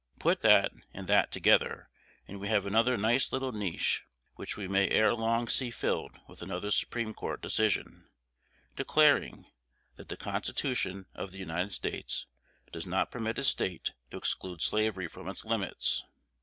Put that and that together, and we have another nice little niche, which we may ere long see filled with another Supreme Court decision, declaring that the Constitution of the United States does not permit a State to exclude slavery from its limits.